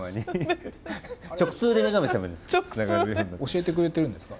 教えてくれてるんですか？